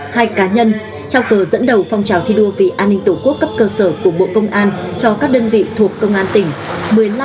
hai cá nhân trao cờ dẫn đầu phong trào thi đua vì an ninh tổ quốc cấp cơ sở của bộ công an cho các đơn vị thuộc công an tỉnh